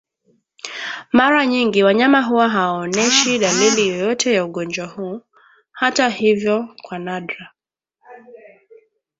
Mara nyingi wanyama huwa hawaoneshi dalili yoyote ya ugonjwa huu Hata hivyo kwa nadra